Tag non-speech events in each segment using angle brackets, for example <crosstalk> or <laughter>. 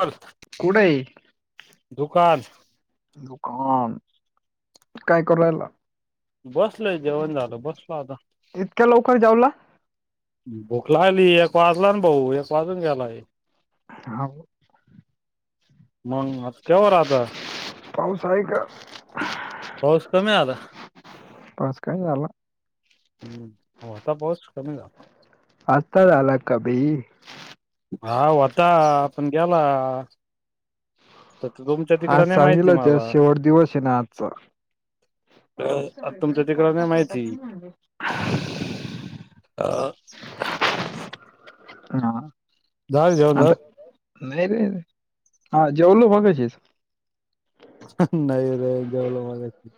Hollow. कुढ हे. हा काय करून राहिला? बसलोय जेवण झालं बसलो आता. इतक्या लवकर जावला भुक लागली एक वाजून भाऊ एक वाजून गेला. हा. मग केह राहत पाऊस आहे का पाऊस कमी झाला. पाऊस कमी झाला. होता पाऊस कमी झाला. आत्ता झाला कमी हा व्हता पण गेला. तर तुमच्या आज तिकडं नाही माहिती चागील मला जस शेवट दिवस हे ना आजचा पाऊस आता तुमच्या सगळीकडे तिकडं नाही सारखाच माहिती होता. <inaudible> हा. झालं जेवण झालं नाय नाय हा जेवलो मगाशीच नाही रे, जेवलो मगाशी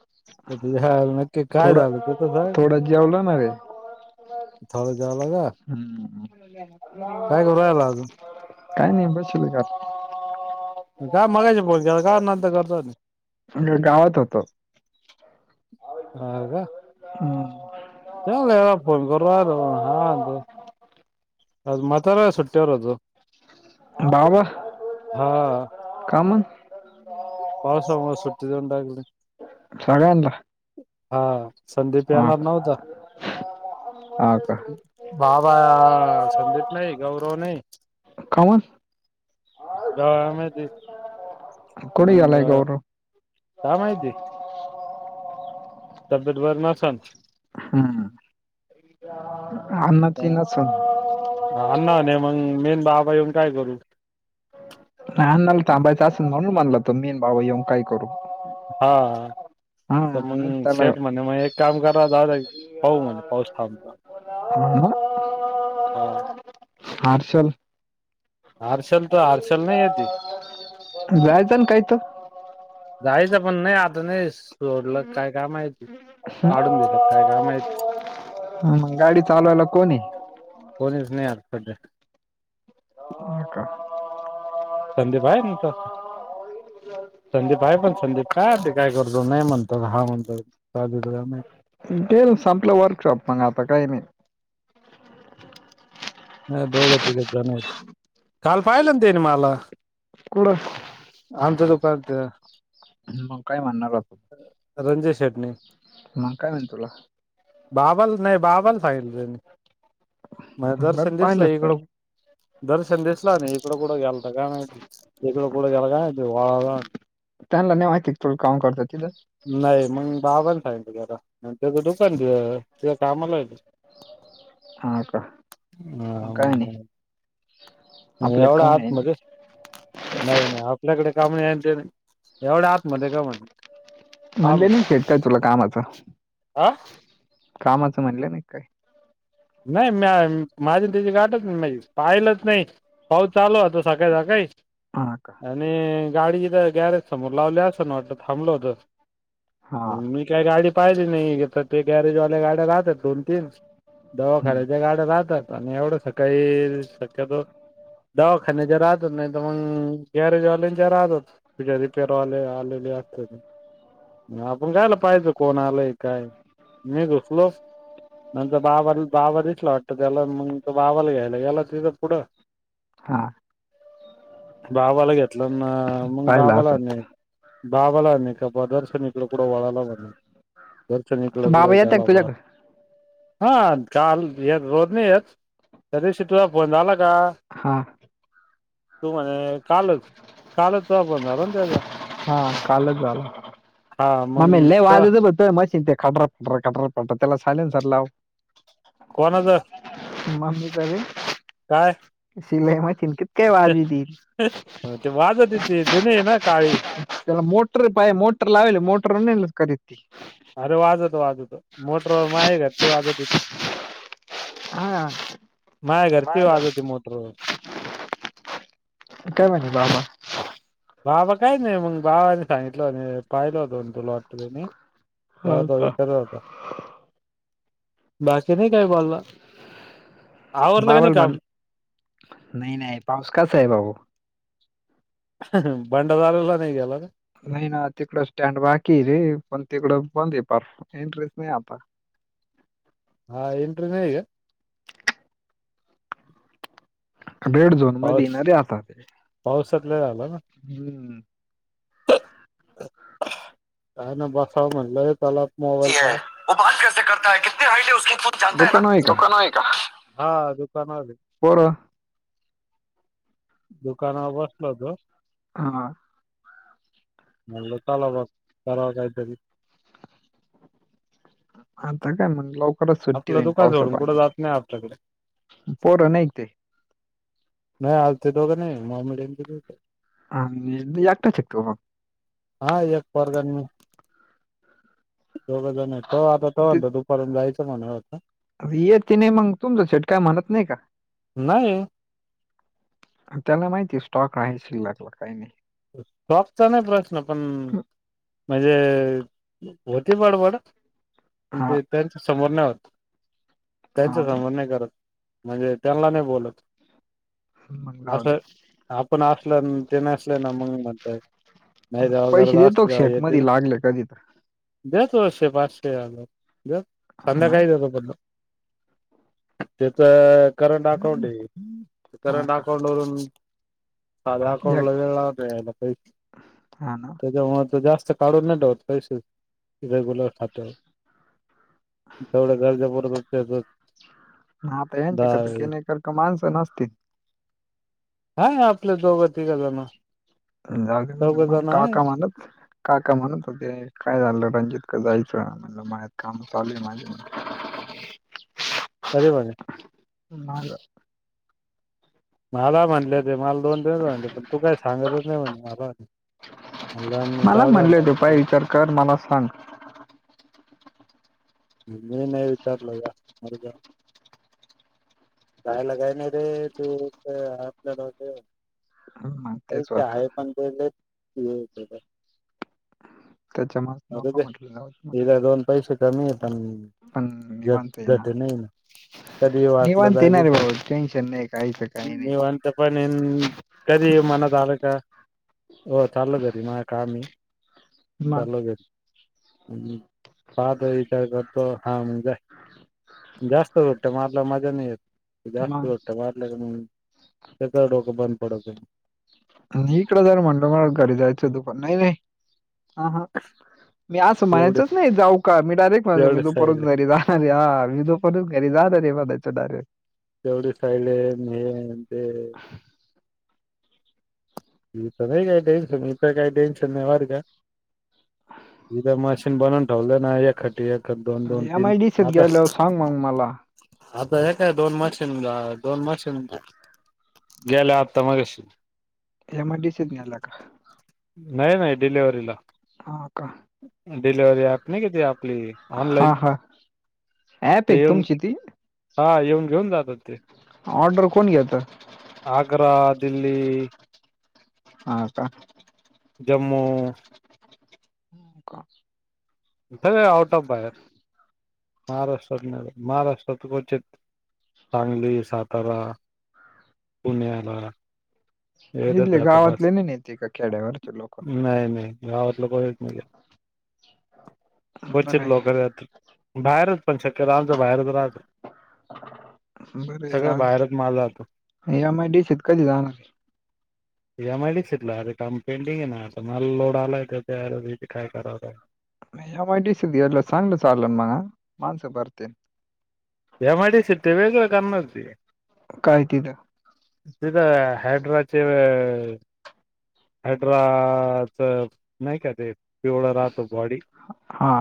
तस ध्यानात थोड थोडच जेवला नारे थोडं जेवला का? ह काय करू राहिला अजून काय नाही बसलोय बघ असच काय मगाशी बोलत्यासा माझं <unintelligible> गावात होतो हा का? का आ चल लगा फोन करू राहिलं हा आलो. आज म्हातारा सुट्टीवर होतो. बाबा हा का मग? पावसामुळ सुट्टी देवून टाकली सगळ्यांला हा संदीप येणार नव्हता. हा का बाबा संदीप नाही, गौरव नाही का मग गावामधीच कुठे मंग गेलाय गौरव काय माहिती? तब्येत बरी नसन हुं हुं आना ची नात सून आण्णा नाहीये, मग मी आणि बाबा येऊन काय करू. नाय आण्णानी थांबायचं असेल, म्हणून म्हणल तो मी आणि भाऊ येऊन काय करू. हा. हा तर नाही मग त्याला शेट म्हणे मग एक काम करा दादा पाहू म्हणे पाऊस थांबता. बोला आ हा. हार शल हर्षल तर हर्षल नाही येते द्यायचं ना काय तर? जायचं पण नाही आता नाही, सोडलं का काय माहित? म गाडी चालवायला कोण ए? कोणच नाही यार संगट? हो का? संदीप आहे ना तो संदीप आहे पण संदीप काय माहीती काय करतो? नाही म्हणतो का हा म्हणतो बाजूच काय माहित? तुमच्या बरोबर संपलं वर्कशॉप मग आता काय नाही? नाही दोघं तिघे जण आहीत, काल पाहिलं ना तेनी मला! कुटं? आमच् दुकालत मग काय म्हणाला, त्यो रणजेश शेटने मग काय म्हणल तुला? बाबाला नाही बाबाला सांगितले, त्यांनी मला बरं दर्शन दिसला पाहिलंच पाहिलं इकडं दर्शन दिसला नाही, इकडं कुठं गेलता काय माहीती? ईकड कुट गेला काय माहिती वावरात? त्यांना नाही माहिती तुम्ही काम करतात तिथं? नाही मग बाबानं पाहीलत तेला <unintelligible> त्यो कामाला हाय तिथ हा का मग काय आणि? एवढा आत मध्ये नाही नाही आपल्याकडे काम नाही, तर एवढं आत मधे काय म्हण? हा म्हण म्हणले नाहीत काय तुला कामाचं, हा कामाचं म्हणलं नाही काय? नाही म्या माझी अन् त्याची गाठच नाही, पाहिलंच नाही पाऊस चालू होता. सकाळी सकाळी हा का आणि गाडीच काय गॅरेज समोर लावल्या असं ना वाटत थांबलं होतं हा अन मी काय गाडी पाहिजली नाही तर ते गॅरेजवाल्या गाड्या राहात्यात दोन तीन हम्म, दवाखाण्याच्या गाड्या राहतात आणि एवढं सकाळी शक्यतो दवाखान्याच्या राहत होत नाही तर मग गॅरेजवाल्यांच्या राहतात तुझे अधिकेर आले आलेले असत. आपण कायला पाहिजं कोणा आलंय काय मी घुसलो नंतर. बाबा बाबा दिसला वाटतं त्याला मग तो बाबाला घ्यायला याला तिथं पुढं. हा बाबाला घेतलं मग पाहिलं बाबाला असं बाबाला आहे का बा दर्शनिकला क वाळला दर्शनिकला कड बाबा येतात का गलाबा तुझ्याकडे हां काल य रोज नाही आहेत त्या दिवशी तुझा फोन झाला का? हा तू म्हणे कालच कालच तुझा फोन झाला ना त्याचा हा कालचं झालं हा मम्मे लय मग वाजत बो मशीन ते खालचं कटर कटर पड त्याला चालेल ना सर लाव कोणाचं. ममी चं रे काय मग शिल्लक राहातील की ते वाजत येतेे जुनी हाय ना काळी त्याला मोटर पाय मोटर लावेल मोटर खरी ती अरे वाजवत वाजत मोटरवर म आहे घ ते वाजवत तथं हा माय घरची वाजती मोटर काय म्हणे बाबा बाबा काय नाही मग बाबांनी सांगितलं पाहिल होतो तू लोटतानी. ह हो त का खरा होता. बाकी नाही काय बोलला. आवरलं का नाही बाबाल म्हण काम नाही नाही पाऊस कसा आहे. भाऊ भंडारदरा ला नाही गेला. नाही ना तिकडं स्टँड बाकी रे पण तिकडं बंद आहे पार एंटरेस नाही आता हा इंटरेस्ट जाईल रेड झोन मध्ये पाऊस येणारे आता ते पावसातला झाला ना हम्म काय ना बस म्हणलं चला मोबाईल चालतंय ना दुकान आहे दुकानावर आहे का? हा दुकानावर पोरं. दुकानावर बसलो होतो. हा म्हणलं चला बो करावं काहीतरी आता काय म्हण लवकरच सुट्टी आपलं होईल दुकान पावसा सोडून कुठं जात नाही आपल्याकडे पाण्याची पोरं नाहीक ते नाही आलते दोघं नाही मोमेडियन हा मी एकटाच शिकतो मगं हा एक पोरगा अन् मी दोघेजण तो आता दुपारून जायचं म्हणत होता. येती नाही मगं तुमचं शेठ काय म्हणत नाही का? नाही त्याल माहिती स्टॉक आहे शिल्लक काही नाही. स्टॉकचा नाही प्रश्न पण म्हणजे होती बड बड प हा ते त्यांच समोर नाही होतं त्यांच हा ना समोर नाही करत म्हणजे त्यांना नाही बोलत मग अस जाऊ दे आपण असल ते मंग म्हणतय नाही तेव्हा गरज पैसे देतो असेल तेव्हा शेट येतील. मध्ये लागले कधी तर दे दोनशे, पाचशे, हजार दे हा ना संध्याकाळी देतो तुला तेच करंट अकाउंट ए हा करंट का अकाउंट वरुन साद्या एक अकाउंटला <unintelligible> हा ना त्याच्यामुळे ते जास्त काढून नाही ठेवत पैसे रेग्युलर खात्यावर तेवढ गरज पुरतच त्यांचं <unintelligible> माणसं नसतीत हा आपल दोघ, तिघ जण जाऊदे चौघ म्हणत मग जण हाय काका म्हणत काका म्हणत होते काय झालं रंजित का जायचा आता माय माय काम चालू हाय माझ कधी म्हणे <unintelligible> मला म्हटले ते मला दोन दिनस म्हणले पण तू काय सांगतच नाही म्हणे मला म्हणल मी मला जाऊदे म्हणले होते आता पाय काय विचार कर मला सांग मी नाही विचारलं का मरजा रायला काय नाही रे तू ते आपल्याला ते मग तेच होतं <unintelligible> त्यांच्यामुळे मरू नको दे म्हटलं जाऊ दे म्हटलं हिला दोन पैसे कमी आहे पण ते पण जट निवांत ये ना जटे नाही कधी वाटलं निवाणते येणार जाय रे पण बाबा टेन्शन नाही काहीच काही नाही तेपन कधी मनात आलं का हो चाल घरी मा काम ए मग चाललो घरी हम्म पा तो हा मग जाय जास्त गट्ट मारल्यावर मजा नाही येत जास्त मग ग वाडल का मन सगळ डोक बंद पडते मी इकडं जर म्हणल मला घरी जायचं दुपा नाही नाही हा हा मी असं एवढे म्हणायचंच नाही जाऊ का मी डायरेक्ट म्हणयज मी एवढे दुपारी साईड जरी जा अरे हा मी दुपारीच घरी जारे बा म्हणायचो डायरेक्ट तेवढी साईड आहे हे ते इथं नाही काय टेन्शन इथं काही टेन्शन नाही बर का उद्या मशीन बनवून ठेवलं ना एखाट एक दोन, दोन एम तीन आय डी सीत आता गेल्यावर सांग मग मला आता एक काय दोन मशीन दोन मशीन गेले आत्ता मगाश एमआयडीसीत गेला का नाही नाही डिलिव्हरीला हा का डिलिव्हरी ऍप नाही का ते आपली ऑनलाईन अँप ए ते येऊन तुमची ती हा येऊन घेऊन जातात ते ऑर्डर कोण घेत आग्रा, दिल्ली हा का जम्मू <unintelligible> सगळे आउट ऑफ बाहेर महाराष्ट्रात नाहीये महाराष्ट्रात कव्हचित सांगली, साातारा, पुण्याला इथले गावातले नाही नेते का खेड्यावरचे लोक <unintelligible> नाही नाही गावातलं कोणच नाही घेत <unintelligible> कव्हचित आहे लवकरत बाहेरच पण शक्यतो आमचं बाहेरच राहाचं बर जातो. जाऊदे एमआयडीसित कधी जाणारे. एमआयडीसीत अरे काम पेंडिंग आहे नाता मल लोड आलाय का तेर काय कराव आहे. एमआयडीसी सला चांगल सारलन मग माणसं बरतेन. एमआयडीसी तेे वेगळं करणार. काय तिथं. तिथं हॅड्राचे. हायड्राच नाही का ते पिवळं राहतो बॉडी. हा.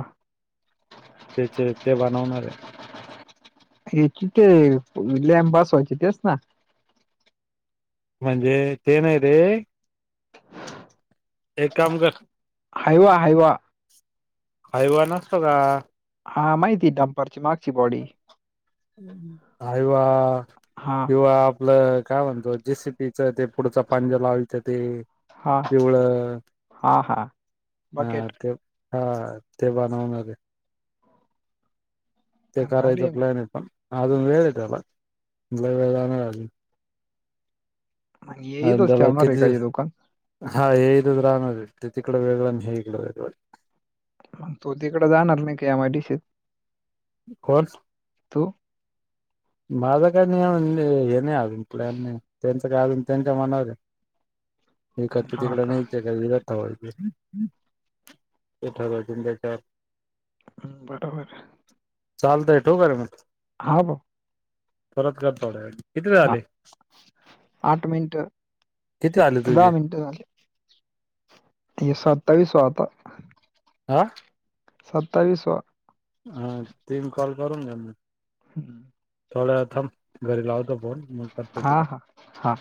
त्याचे ते बनवणार आहे. हची ते लॅम्ब व्हायची तेच ना. म्हणजे ते नाही रे. एक काम कर. Hyva Hyva. हाईवा नसतो का. हा माहिती ड्पर ची मागची बॉडी. हायवा. हा. किवा आपल काय म्हणतो. जेसि पीच ते पुढचा पांजरा लावायचं ते हा पिवळ. हा हा हा बकेट ते हा ते बनवूनगे. ते भारी करायचं ना प्लॅन आहे पण अजून वेळ आहे त्याला लई वेळ लागणार आहे. येई आणि तोच त्याला ठेवणार आहे का किती हे दुकान. हा ये दिवस राहणार आहे ते तिथ वेगळ हे इकड वेगळं राहणार आहे. मग तो तिकडं जाणार नाही का एमआयडीसीत. कोण. तो. माझं काय नाही हे नाही अजून प्लॅन नाही त्यांच काय अजून त्यांच्या मनावर आहे. इकडचं हा तिकडं का नाही केल. ह ते ठाकरंद्याच्या. हम् बरोबर. चालत आहे ठेऊका का रे मी. हा ब. परत कर थोड्या व कितीे वेळा हा आले. आठ मिनिट किती आले तुझे दहा मिनिट झाले. ये सत्तावीसवा आता. हा. सत्तावीस वा. हा ती कॉल करून घ्या मग. हम्म. थोड्या वेळ थांब घरी लावतो फोन मग. करतो हा तुला हा हा.